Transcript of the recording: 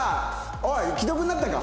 おい既読になったか？